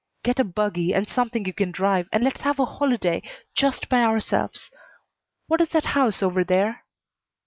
"Get a buggy and something you can drive and let's have a holiday just by ourselves. What is that house over there?"